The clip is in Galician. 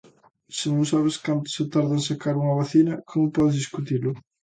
Se non sabes canto se tarda en sacar unha vacina, ¿como podes discutilo?